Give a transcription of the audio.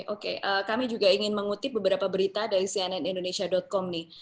oke kami juga ingin mengutip beberapa berita dari cnnindonesia com nih